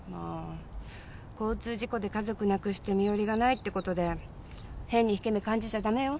交通事故で家族亡くして身寄りがないってことで変に引け目感じちゃダメよ。